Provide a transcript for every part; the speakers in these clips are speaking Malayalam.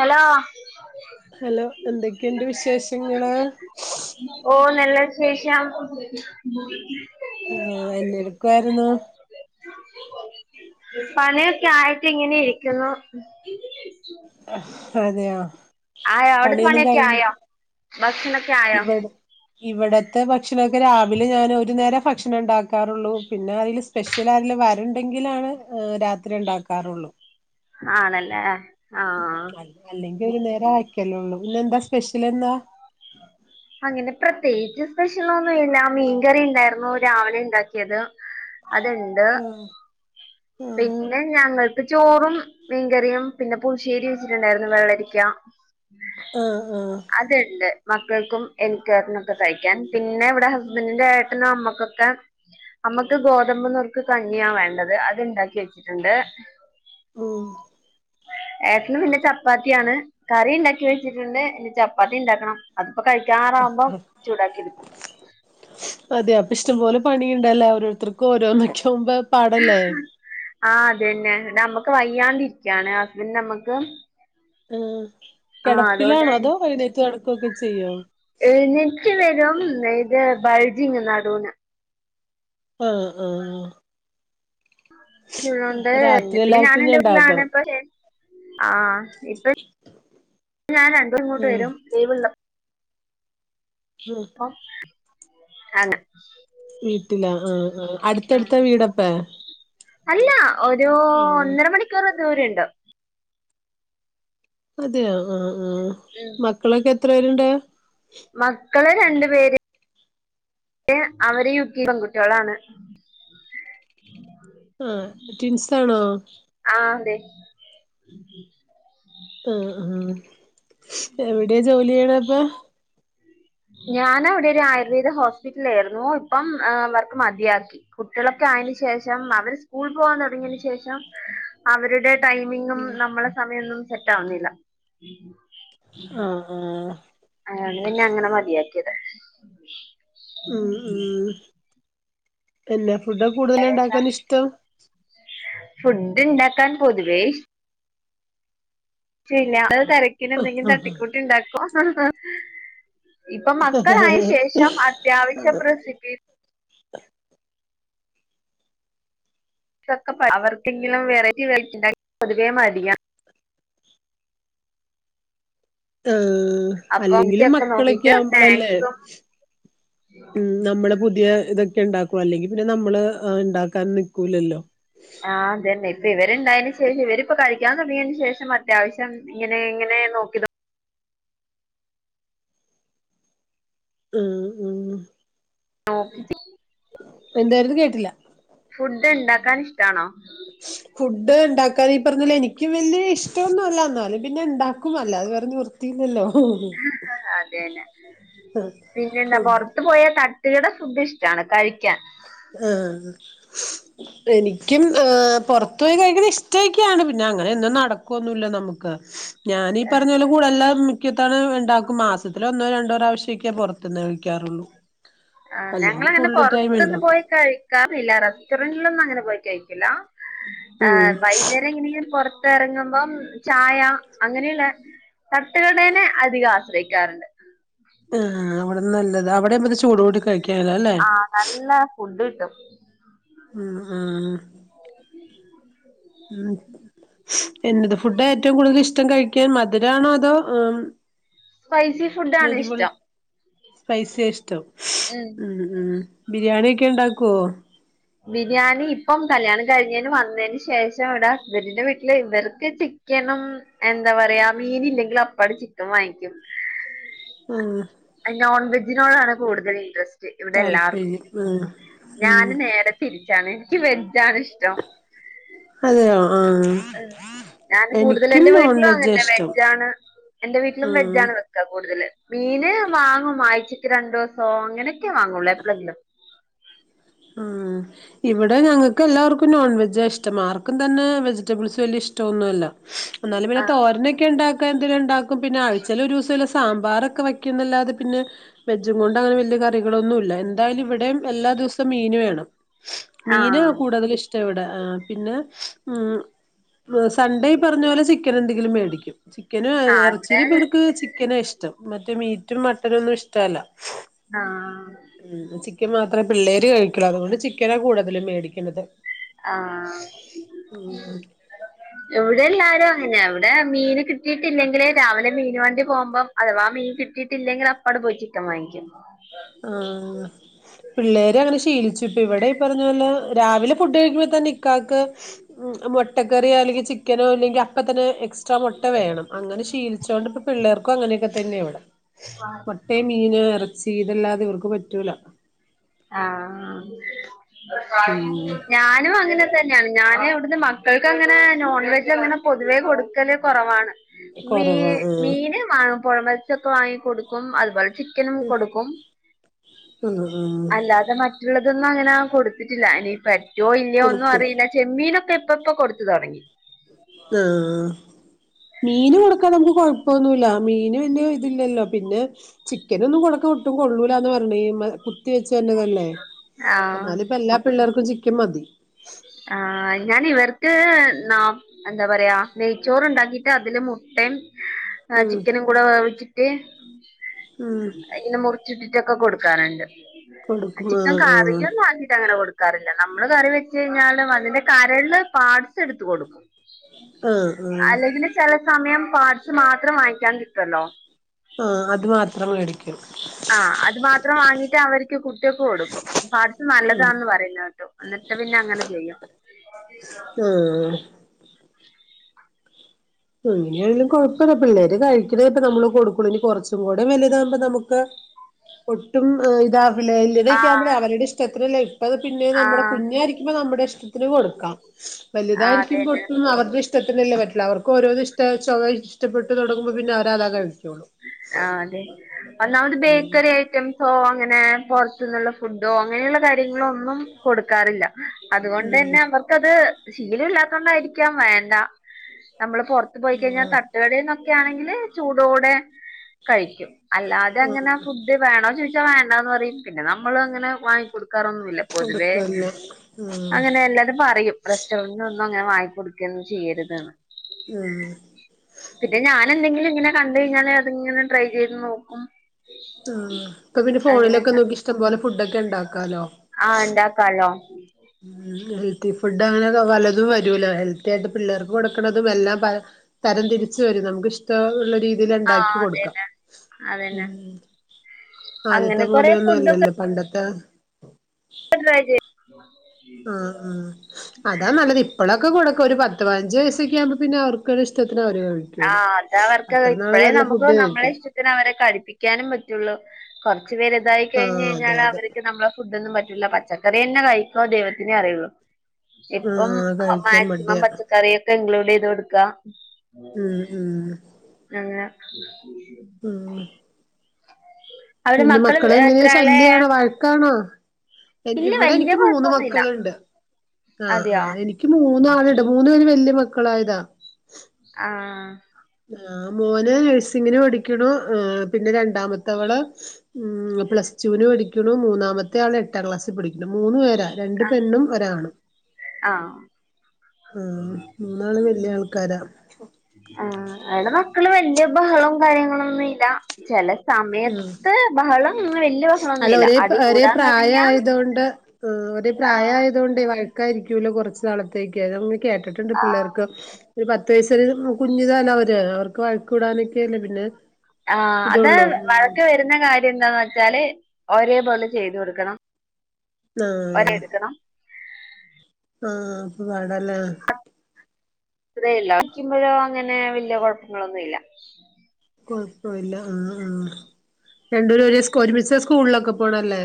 ഹലോ ഹലോ എന്തൊക്കെയുണ്ട് വിശേഷങ്ങള്? ഓഹ് നല്ല വിശേഷം. ആ എന്ത് എടുക്കുവായിരുന്നു? പണിയൊക്കെ ആയിട്ട് ഇങ്ങനെ ഇരിക്കുന്നു. ആഹ്, അതെയോ ആയോ അവിടുത്തെ പണിയൊന്നും പണിയൊക്കെ കഴിഞ്ഞ് ആയോ ഭക്ഷണൊക്കെ ആയോ ഇവിടെ ഇവിടത്തെ ഭക്ഷണമൊക്കെ രാവിലെ ഞാൻ ഒരു നേരം ഭക്ഷണം ഇണ്ടാക്കാറുള്ളൂ. പിന്നെ അതില് സ് പെഷ്യൽ ആരേലും വരണ്ടെങ്കിലാണ് ഏഹ്, രാത്രി ഇണ്ടാക്കാറുള്ളൂ. ആണല്ലേ ആഹ്. അല്ലെങ്കിൽ ഒരു നേരം വെയ്ക്കലേ ഉള്ളൂ. ഇന്നെന്താ സ്പെഷ്യൽ എന്താ? അങ്ങനെ പ്രത്യേകിച്ച് സ്പെഷ്യൽ ഒന്നു ഇല്ല മീൻകറി ഇണ്ടായിരുന്നു രാവിലെ ഇണ്ടാക്കിയത്. അതുണ്ട്. ആഹ് ആഹ് പിന്നെ ഞങ്ങൾക്ക് ചോറും മീൻകറിയും പിന്നെ പുളിശ്ശേരി വെച്ചിട്ടുണ്ടായിരുന്നു വെള്ളരിക്ക ആഹ്, ആഹ് ഒക്കെ ഇണ്ട് മക്കൾക്കും എനിക്കൊരണ്ണൊക്കെ കഴിക്കാൻ. പിന്നെ ഇവിടെ ഹസ്ബന്റിന്റെ ഏട്ടനും അമ്മക്കൊക്കെ അമ്മയ്ക്ക് ഗോതമ്പ് നുറുക്ക് കഞ്ഞിയാ വേണ്ടത്. അത് ഇണ്ടാക്കി വെച്ചിട്ടുണ്ട്. ഉം ഏട്ടന് പിന്നെ ചപ്പാത്തിയാണ്. കറി ഉണ്ടാക്കി വെച്ചിട്ടുണ്ട്. ഇനി ചപ്പാത്തി ഉണ്ടാക്കണം. അതിപ്പോ കഴിക്കാറാവുമ്പോ ചൂടാക്കി എടുക്കും അതെ അപ്പൊ ഇഷ്ടംപോലെ പണി ഉണ്ടല്ലേ ഓരോരുത്തർക്കും ഓരോന്നൊക്കെയാകുമ്പോ പാടല്ലേ. ആഹ് അത് തന്നെ അമ്മക്ക് വയ്യാണ്ടരിക്കയാണ് ഹസ്ബൻഡിന്റെ അമ്മക്ക് ഉം അതുകൊണ്ട് കിടപ്പിലാണോ അതോ എഴുന്നേറ്റ് നടക്കുവൊക്കെ ചെയ്യോ എഴുന്നേറ്റ് വരും ഇത് ബൾജിങ്ങ്നടുവിന് ആഹ് ആഹ് അപ്പൊ രാത്രി [unintelligible] പിന്നെ ഞാൻ എല്ലാർക്കും എന്റെ വീട്ടിലാണ് ഉണ്ടാക്കണം ഇപ്പ ചേ ആഹ് ഇപ്പ ഞാൻ രണ്ടു ദിവസം ആ ഇങ്ങോട്ട് വരും ലിവുളളപ് ഉം [unintelligible] വീട്ടിലാ ആഹ് ആഹ് അടുത്തടുത്ത വീടപ്പേ അല്ല ഒരു ആ ഒന്നര മണിക്കൂറ് ദൂരം ഉണ്ട്. അതെയോ ആഹ് ആഹ് ഉം. മക്കളൊക്കെ എത്ര പേരുണ്ട് മക്കള് രണ്ടു പേര് അവര് യു കി പെൺകുട്ടികളാണ് ആഹ് ട്വിൻസാണോ ആഹ് അതെ ആഹ് ആഹ് എവിടെയയാ ജോലി ചെയ്ണേ ഇപ്പോ ഞാന് അവിടെ ഒരു ആയുർവേദ ഹോസ്പിറ്റലിൽ ആയിരുന്നു ഇപ്പം വർക്ക് മതിയാക്കി. കുട്ടികളൊക്കെ ആയതിന് ശേഷം അവര് സ്കൂൾ പോവാൻ തുടങ്ങിയന് ശേഷം അവരുടെ ടൈമിങ്ങും നമ്മടെ സമയമൊന്നും സെറ്റ് ആവുന്നില്ല. ആഹ് ആഹ് അങ്ങനെ പിന്നെ അങ്ങനെ മതിയാക്കിയതാ. ഉം ഉം പിന്നെ ഫുഡ് കൂടുതല് ഉണ്ടാക്കാൻ ഇഷ്ടം ഫുഡ് ഉണ്ടാക്കാൻ പൊതുവേ ഇഷ്ടില്ല അത് തിരക്കിന് എന്തെങ്കിലും ആ തട്ടിക്കൂട്ടി ഉണ്ടാക്കും. ഇപ്പൊ മക്കളായ ശേഷം അത്യാവശ്യം റസിപ്പി അവർക്കെങ്കിലും വെറൈറ്റി വെച്ചുണ്ടാക്കാൻ വേണ്ടി പൊതുവേ മടിയാ ആഹ് അപ്പൊ അല്ലെങ്കിലും ഒക്കെ മക്കളൊക്കെ നോക്കിട്ട് ആവുമ്പോഴല്ലേ സ്നാക്സും നമ്മള് പുതിയ ഇതൊക്കെ ഉണ്ടാക്കു അല്ലെങ്കി പിന്നെ നമ്മള്ണ്ടാക്കാൻ നിൽക്കൂലല്ലോ ആഹ് അതന്നെ ഇപ്പൊ ഇവരുണ്ടായിന് ശേഷം ഇവരിപ്പൊ കഴിക്കാൻ തുടങ്ങിയതിന് ശേഷം അത്യാവശ്യം ഇങ്ങനെ എങ്ങനെ നോക്കി ഉം ഉം [unintelligible] എന്താര്ന്നു കേട്ടില്ല ഫുഡ്ണ്ടാക്കാൻ ഇഷ്ടാണോ [unintelligible] ഫുഡ്ണ്ടാക്കാൻ ഈ പറഞ്ഞപോലെ എനിക്കും വലിയ ഇഷ്ടംന്നുല്ല അന്നാലും പിന്നെണ്ടാക്കും അല്ലാതെ വേറെ നിവർ ത്തിയൊന്നുല്ല അതന്നെ പിന്നെന്താ ഫുഡ് പൊറത്ത് പോയ ത ട്ട് കട ഫുഡ് ഇഷ്ട്ടാണ് കഴിക്കാൻ ആഹ് എനിക്കും ഏഹ് പൊറത്ത് പോയി കഴിക്കുന്ന ഇഷ്ടക്കാണ് പിന്നെ അങ്ങനെ ഒന്നും നടക്കുവൊന്നുല്ല നമുക്ക് ഞാനീ ആ ഈ പറഞ്ഞോലെ കൂടെല്ലാം മിക്ക്യത്തവണ ഇണ്ടാക്കും മാസത്തിലൊന്നോ രണ്ടോ പ്രാവശ്യൊക്കെ പൊറത്ത്ന്ന് കഴിക്കാറൊള്ളു. ആഹ് ഞങ്ങളങ്ങനെ പൊറത്തൊന്നും ഉണ്ടാക്കും പോയി. കഴിക്കാറില്ല റെസ്റ്റോറന്റിലൊന്നങ്ങനെ പോയി കഴിക്കില്ല ഉം ആഹ് വൈന്നേര രങ്ങനെങ്കിലും പൊർത്തെറങ്ങുമ്പം ചായ അങ്ങനെയുള്ള. തട്ടുകടേനെ അധികം ആശ്രയിക്കാറുണ്ട്. ആഹ് അവിടന്ന് നല്ലത് അവിടെയാവുമ്പത് ചൂടോട് കൂടി കഴി ആഹ് നല്ല ഫുഡ് കിട്ടും. ഉം ഉം ഉം. എന്നത് ഫുഡാ ഏറ്റവും കൂടുതലിഷ്ടം കഴിക്കാൻ മധുരാണോ അതോ ഉം. സ്പൈസി ഫുഡാണ് എരിവുൾ ഇഷ്ടം സ്പൈസിയാ ഇഷ്ടം ഉം ഉം. ബിരിയാണിയൊക്കെ ഉണ്ടാക്കോ. ബിരിയാണി ഇപ്പം കല്യാണം കഴിഞ്ഞേന് വന്നേന് ശേഷം ഇവിടെ ഹസ്ബന്റിന്റെ വീട്ടില് ഇവർക്ക് ചി ക്കനും എന്താ പറയാ മീനില്ലെങ്കിൽ അപ്പാട് ചിക്കം വാങ്ങിക്കും. ആഹ്. നോൺ വെജിനോടാണ് കൂടുതൽ ഇൻട്രസ്റ്റ് ഇവിടെല്ലാർക്കും താല്പര്യം ആഹ് ഉം ഞാന് നേരെ. തിരിച്ചാണ് എനിക്ക് വെജ്ജാണിഷ്ടം. അതെയോ ആഹ്. ഏഹ് ഞാന് കൂടുതലും എനിക്കും എന്റെ നോൺ വീട്ടിലും വെജാ അങ്ങനെന്നെ ഇഷ്ടം വെജ്ജാണ് എന്റെ വീട്ടിലും ഉം വെജാണ് വെ ക്ക കൂടുതല് മീന് വാങ്ങും ആഴ്ചയ്ക്ക് രണ്ടൂസോ അങ്ങനൊക്കെ വാങ്ങുള്ളൂ എപ്പളെങ്കിലും. ഉം. ഇവടെ ഞങ്ങക്കെല്ലാവർക്കും നോൺ വെജാ ഇഷ്ടം ആർക്കും തന്നെ വെജിറ്റബിൾസ് വലിയ ഇഷ്ട്ടൊന്നു അല്ല. എന്നാലും പിന്നെ ആഹ് തോരനൊക്കെണ്ടാക്കാ എന്തേലുണ്ടാക്കും പിന്നെ ആഴ്ച്ചേലൊരുസല്ല സാമ്പാറൊക്കെ വെ ക്ക്യുംന്നല്ലാതെ പിന്നെ വെജജും കൊണ്ടങ്ങനെ വല്യ കറികളൊന്നുല്ല എന്തായാലും ഇവിടേം എല്ലാ ദിവസ ത്ത മീന് വേണം മീന് ആഹ് കൂടുതലിഷ്ടം ഇവിടെ ആ പിന്നെ ഉം. സൺഡേ ഈ പർഞ്ഞ പോലെ ചിക്കനെന്തെങ്കിലും മേടിക്കും. ചിക്കന ആഹ് അവിടെ എർച്ചിയിലിവർക്ക് ചിക്കനാ ഇഷ്ടം മറ്റേ മീറ്റും മട്ടനൊന്നും ഇഷ്ടല്ല. ആഹ്. ഉം ചിക്കൻ മാത്രേ പിള്ളേര് കഴിക്കള്ളൂ അതോണ്ട് ചിക്കനാ കൂടുതലും മേടിക്കണത്. ഉം ആഹ്. ഇവിടെല്ലാരും അങ്ങനെയാ ഇവടെ മീന് കിട്ടിയിട്ടില്ലെങ്കില് രാവിലെ മീന് വണ്ടി പോവുമ്പം. അഥവാ മീൻ കിട്ടിയിട്ടില്ലെങ്കില് അപ്പങ്ങ്ട് പോയി ചിക്കൻ വാങ്ങിക്കും. ആഹ്. പിള്ളേരങ്ങനെ ശീലിച്ചു ഇപ്പ ഇവിടെ ഈ പറഞ്ഞ പോലെ രാവിലെ ഫുഡ് കഴിക്കുമ്പത്തന്നെ ഇക്കാക്ക്. ഉം മുട്ടക്കറിയോ അല്ലെങ്കി ചിക്കനോ ഇല്ലെങ്കി അപ്പതന്നെ എക്സ്ട്രാ മൊട്ട വേണം അങ്ങനെ ശീലിച്ചോണ്ട്പ്പ. പിള്ളേർക്കും അങ്ങനെയൊക്കെ തന്നെ ഇവിടെ. വാ. ട്ടേ മീന് എറച്ചി ഇതല്ലാതെ ഇവർക്ക് പറ്റൂല. ആഹ് ഉം ഞാനും അങ്ങനെ ത ന്നെയാണ് ഞന് ഇവട്ന്ന് മക്കൾക്കങ്ങനെ നോൺവെജങ്ങനെ പൊതുവേ കൊടുക്കല് കൊറവാണ്. വീ കൊറവാ ആഹ് മീന് വാങ്ങു പൊഴ മത്സ്യൊക്കെ വാങ്ങിക്കൊടുക്കും അതുപോലെ. ചിക്കനും കൊടുക്കും. തുന്നു ഉം. അല്ലാതെ മറ്റുള്ളതൊന്നും അങ്ങനെ കൊടുത്തിട്ടില്ല ഇനി പറ്റോ ഇല്ലയോ ഒന്നും കൊടുക്കും അറിയില. ചെമ്മീനൊക്കെ ഇപ്പൊപ്പൊ കൊടുത്തു തൊടങ്ങി. [unintelligible] മീന് കൊടുക്കാനൊന്നും കൊഴപ്പൊന്നുല്ല മീന് വല്ല്യെ ഇതില്ലല്ലോ പിന്നെ ചിക്കനൊന്നും കൊടക്ക ഒട്ടും കൊള്ളൂലാന്ന് പറഞ്ഞ്ണ്ട് ഈ ഇമ്മ കു കുത്തി വച്ചേന്റതല്ലേ ആഹ് എന്നാലു ഇപ്പ എല്ലാ പിള്ളേർക്കും ചിക്കൻ മതി. ആഹ് ഞാനിവർക്ക് നാ എന്താ പറയാ നെയ്ച്ചോറ്ണ്ടാക്കിട്ട് അതില് മുട്ടെം ആഹ് ഉം ചിക്കനും കൂടെ വേവിച്ചിട്ട് ഉം അയിൽന്ന് മുറി ച്ചിട്ടിട്ടൊക്കെ കൊടുക്കാറുണ്ട് കൊടുക്കും ചിക്കൻ ആഹ് ആഹ് കാറിയൊന്നും ആക്കീട്ടങ്ങനെ കൊടു ക്കാറില്ല നമ്മള് കറി വെച്ചഴിഞ്ഞാലും അതിന്റെ കരള് പാട്സ് എടുത്ത് കൊടുക്കും. ആഹ് ആഹ് അല്ലെങ്കില് ചെല സമയം പാട്സ് മാത്രം വാങ്ങിക്കാൻ കിട്ടൊല്ലോ ആഹ് അത് മാത്രം മേടി ക്ക്യും ആഹ് അത് മാത്രം വാങ്ങിട്ട് അവർക്ക് കുട്ടികൾക്ക് കൊടുക്കും പാട്സ് നല്ലതാന്ന് പറയുന്നതേട്ടു. എന്നിട്ട് പിന്നെ അങ്ങനെ ചെയ്യും ആഹ് [inaudible] എങ്ങനെയായാലും കുഴപ്പൊന്നുപ്പല്ല ഓര് കഴിക്കണ ഇപ്പ നമ്മള് കൊടുക്കൂള്ളൂ ഇനി കുറച്ചും കൂടെ വലുതാകുമ്പോ നമുക്ക് ഒട്ടും ഏ ഇതാവിലേ [unintelligible] ആ ഇതക്കേ ആവുമ്പളേ അവരുടെ ഇഷ്ടത്തിനല്ലേ ഇപ്പ പിന്നെ ആ നമ്മുടെ കുഞ്ഞയിരിക്കുമ്പ നമ്മുടെ ഇഷ്ടത്തിന് കൊടുക്ക ആ വലുതായിരിക്കുമ്പൊ അതന്നെ ഒട്ടും അവര്ടെ ഇഷ്ടത്തിനല്ലേ പറ്റുള്ളു അവർ ഒക്കോരോന്ന് ഇഷ്ട [unintelligible] ഇഷ്ടപ്പെട്ട് തുടങ്ങുമ്പോ പിന്നവരാതാ കഴിക്കുള്ളൂ. ആഹ് അതെ ഒന്നാമത് ഉം ബേക്കറി ഐ റ്റംസോ അങ്ങനെ പുറത്തന്നുള്ള ഫുഡോ അങ്ങനെയുള്ള കാര്യങ്ങളൊന്നും കൊടുക്കാറില്ല. അതു ഉം കൊണ്ടന്നെ അവർക്കത് ശീലം ഇല്ലാത്തോണ്ടായിരിക്കാം വേണ്ട നമ്മള് പുറ ത്ത് പോയി കഴിഞ്ഞാൽ ആഹ് തട്ടുകടേന്നൊക്കെ ആണെങ്കില് ചൂടോടെ കഴിക്കും അല്ലാതെ അങ്ങന ആഹ് ഫു ഡ് വേണോ ചോയിച്ച വേണ്ടാന്ന് പറയും പിന്നെ നമ്മള് അങ്ങനെ വാങ്ങിക്കൊടുക്കാറൊന്നുല്ല. പൊതുവേ കൊടുക്കല്ല ആഹ് അങ്ങനെ എല്ലാരും പറയും. റെസ്റ്റോറന്റിനൊന്നും അങ്ങനെ വാങ്ങി കൊടുക്കയും ഒന്നും ചെയ്യരുതെന്ന് ഉം പിന്നെ ഞാൻ എന്തെങ്കിലും ഇങ്ങനെ കണ്ട് കഴിഞ്ഞാൽ അത്ങ്ങനെ ട്രൈ ചെയ്ത് നോക്കും ആഹ് ഇപ്പൊ പിന്നെ ഫോണിലൊക്കെ അങ്ങനെയൊക്കെ നോക്കി ഇഷ്ടംപോലെ ഫുഡൊക്കെ ഉണ്ടാക്കാലോ. ആഹ് ഇണ്ടാക്കാലോ ഉം ഹെൽത്തി ഫുഡ് അങ്ങനെക്കെ പലതും വരൂല്ലോ ഹെൽത്തി ആയിട്ട് പിള്ളേർക്ക് കൊടുക്കണതും എല്ലാം പ തരം തിരിച്ച് വരും നമുക്ക് ഇഷ്ടുള്ള രീതില് ആഹ് ഇണ്ടാക്കി കൊടുക്ക അതന്നെ അതന്നെ ഉം ആദ്യത്തെ അങ്ങനെ കൊറെ പോലെയൊന്നും ഫുഡൊക്കെ അല്ലല്ലോ പണ്ടത്തെ [inaudible] ഇപ്പോളൊക്കെ കൊടുക്ക ഒരു പത്ത് പയിനഞ്ച് വയസൊക്കെ ആകുമ്പ പിന്നെ അവർ ക്കളെ ഇഷ്ടത്തിന അവര് കഴിക്കുള്ളൂ ആഹ് അത്ര നാള് നല്ല ഫുഡ് കഴിക്ക ത്തിന് അവരെ കഴിപ്പിക്കാനും പറ്റുള്ളൂ കുറച്ചു വലുതായി കഴിഞ് ആഹ് അതെ കഴിഞ്ഞാല് അതെ അവർക്ക് നമ്മളെ ഫുഡൊന്നും പറ്റൂല്ല പച്ചക്കറിയന്നെ കഴിക്കോ ദൈവത്തിനെ അറിയൊള്ളൂ ഇപ്പം ആഹ് കഴിക്കാൻ മാക്സിമം മടിയാ പച്ചക്കറിയൊക്കെ ഇൻക്ലൂഡെയ്ത് കൊടുക്കാ ഉം ഉം നങ്ങനെ [inaudible] ഉം അതിന് മക്കള് എത്രേലേയ. പഴക്കാണോ. ഇവിടെ വല്യ എനിക്ക് മൂന്ന് കൊഴപ്പൊന്നുല്ല മക്കളുണ്ട്. ആഹ് അതെയോ ആഹ് എനി ക്ക് മൂന്നാളുണ്ട്. മൂന്നു പേര് വല്യ മക്കളായതാ. ആഹ് ആഹ് മോന് നഴ്സിങ്ങിന് പഠിക്കുണു. പിന്നെ രണ്ടാമത്തെവള് ഉം പ്ലസ് ടുവിന് പഠിക്കുണു. മൂന്നാമത്തെ ആള് എട്ടാം ക്ലാസ്സി പഠിക്കുണു. മൂന്നു പേരാ. രണ്ട് പെണ്ണും. ഒരാണും. ആഹ് ആഹ് മൂന്നാളും വല്യാൾക്കാരാ. ആഹ് അവടെ മക്കള് വല്യ ബഹളം കാര്യങ്ങളൊന്നും ഇല്ല. ചെല ഉം സമയത്ത് ബഹളം അങ്ങനെ വല്യ അല്ല ബഹളൊന്നുമില്ല ഒരേ അടി ഒരേ കൂടാൻ തുടങ്ങിയാ പ്രായായതൊണ്ട് ഒരേ ആഹ് പ്രായായതൊണ്ടേ വഴ ക്കായിരിക്കുല്ലോ കുറച്ച് നാളത്തേക്ക്. അതാവും ങ്ങ് കേട്ടിട്ടുണ്ട്. ആഹ് പിള്ളേർക്ക് ഒരു പത്ത് വയസ്സ് വരെ കുഞ്ഞിതാല്ലൊ. അവര് അവർക്ക് വഴക്കിടാനൊക്കെയല്ലേ. പിന്നെ ആഹ് അത് ഇതൊള്ളൂ ഉം വഴക്ക് വരുന്ന കാര്യം ന്താന്ന് വെച്ചാല്. ഒരേ പോലെ ചെയ്ത് കൊടുക്കണം. ഒരേ ആഹ് എടുക്കണം ആഹ് അപ്പൊ പാടാല്ലേ. അത്രേല്ല. വക്കുമ്പോഴോ അങ്ങനെ വല്യ കുഴപ്പങ്ങളൊന്നും ഇല്ല. കൊഴപ്പല്ലാ. ആഹ് ആഹ് രണ്ടൂരും ഒരുസ്കൂ ഒരുമിച്ചാ സ്കൂളിലൊക്കെ പോണല്ലേ.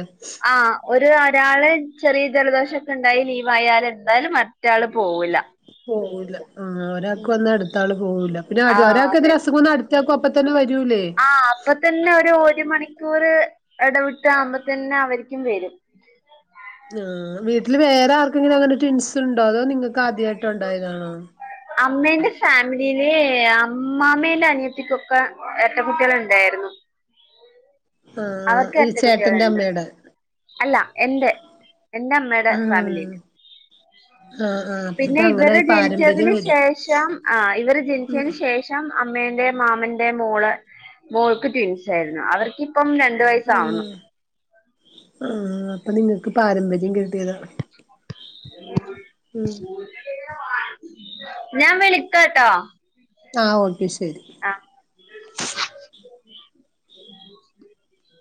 ആഹ് ഒരു ഒരാള് ചെറിയ ജലദോഷൊക്കെ ണ്ടായി ലീവായാല് ന്തായാലും മറ്റാള് പോവൂല. പോവൂല്ല. ആഹ് ഒരാക്ക് ഉം വന്നാ അടുത്താള് പോവൂല്ല. പിന്നെ ഒര് ആഹ് ഒരാക്ക് അതെ എന്തേലും അസുഖം വന്നാ അട് റ്റാക്കും അപ്പ തന്നെ വരൂലേ. ആഹ് അപ്പ തന്നെ ഒരു ഒരു മണിക്കൂറ് ഇടവിട്ടാവുംമ്പോ തന്നെ അവർക്കും വരും. ആഹ് വീട്ടില് വേറെ ആർക്കെങ്കിലും അങ്ങനെ ട്വിൻസ് ണ്ടോ. അതോ നിങ്ങൾക്ക് ആദ്യായിട്ട് ഉണ്ടായതാണോ. അമ്മേന്റെ ഫാമിലീല് അമ്മാമേന്റെ അനിയത്തിക്കൊക്കെ എരട്ട കുട്ട്യാള് ണ്ടേരുന്നു. ആഹ് അവർക്ക് ഈ എരട്ട ചേട്ടന്റെ കുട്ട്യാളുണ്ട്. അമ്മയുടെ അല്ല എന്റെ എന്റെ അമ്മേടെ ആഹ് ഫാമിലീല്. ആഹ് ആഹ് പിന്നെ അപ്പത്തേക്ക് അങ്ങനെ ഇവര് പാരമ്പര്യം ജനിച്ചതിന് വരും ശേഷം ആഹ് ഇവര് ഉം ജനിച്ചേന് ശേഷം ഷം അമ്മേന്റെ മാമന്റെ മോള് മോൾക്ക് ട്വിൻസേരുന്നു. അവർക്കിപ്പം രൺ ണ്ട് വയസ്സാവുന്നു. ഉം ആഹ് അപ്പൊ നിങ്ങക്ക് പാരമ്പര്യം കിട്ടിയതാ. ഉം ഞാൻ വിളിക്കാട്ടോ. ആഹ് ഓക്കെ ശെരി. ആഹ്